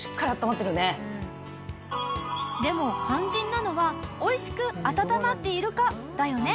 でも肝心なのはおいしく温まっているかだよね。